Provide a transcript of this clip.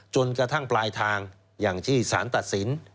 จนกระทั่งปลายทางอย่างที่สารตัดสิน